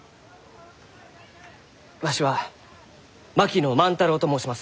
わしは槙野万太郎と申します。